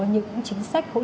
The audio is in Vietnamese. những chính sách hỗ trợ